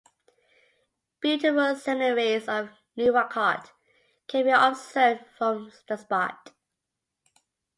Beautiful sceneries of Nuwakot can be observed from the spot.